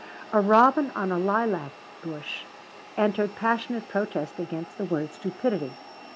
A robin on a lilac bush entered passionate protest against the word stupidity.